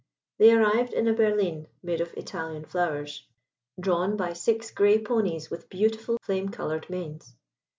They arrived in a Berlin, made of Italian flowers, drawn by six grey ponies with beautiful flame coloured manes.